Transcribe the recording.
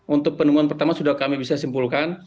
untuk penemuan pertama sudah kami bisa simpulkan